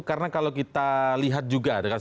karena kalau kita lihat juga